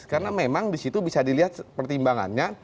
karena memang di situ bisa dilihat pertimbangannya